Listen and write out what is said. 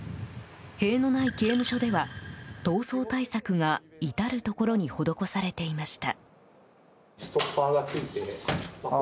塀のない刑務所では、逃走対策が至るところに施されていました。